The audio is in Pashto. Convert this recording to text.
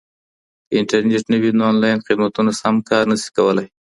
که انټرنېټ نه وي نو آنلاین خدمتونه سم کار نه شي کولای.